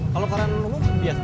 kalau koran umum biasa